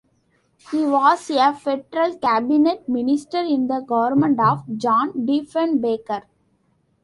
He was a federal cabinet minister in the government of John Diefenbaker.